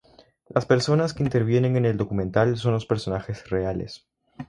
Las personas que intervienen en el documental son los personajes reales.